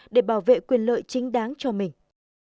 để bảo vệ quyền lợi chính đáng cho mình